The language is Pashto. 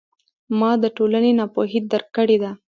ما د ټولنې ناپوهي درک کړې ده.